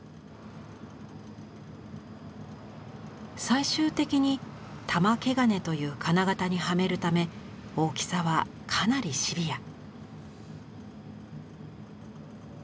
最終的に玉笥金という金型にはめるため大きさはかなりシビア。